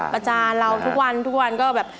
ประจานเราทุกวันทุกวันก็แบบ